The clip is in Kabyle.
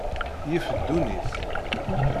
Yif ddunit.